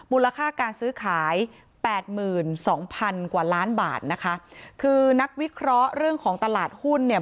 มูลค่าการซื้อขายแปดหมื่นสองพันกว่าล้านบาทนะคะคือนักวิเคราะห์เรื่องของตลาดหุ้นเนี่ย